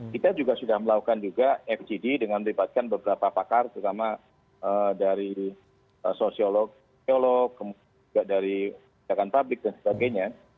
kita juga sudah melakukan juga fgd dengan melibatkan beberapa pakar terutama dari sosiolog juga dari kebijakan publik dan sebagainya